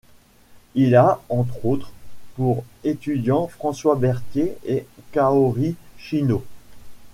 Il a, entre autres, pour étudiant François Berthier et Kaori Chino.